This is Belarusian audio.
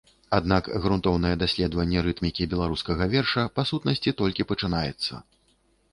Аднак грунтоўнае даследаванне рытмікі беларускага верша па сутнасці толькі пачынаецца.